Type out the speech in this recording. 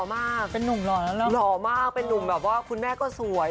หล่อมากคุณแม่ก็สวย